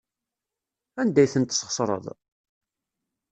Anda ay tent-tesxeṣreḍ?